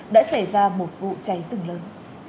đã xảy ra một vụ cháy rừng lớn